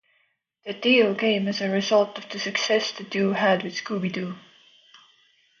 The deal came as a result of the success the two had with Scooby-Doo!